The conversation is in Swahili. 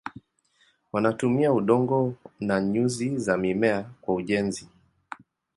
Wanatumia udongo na nyuzi za mimea kwa ujenzi.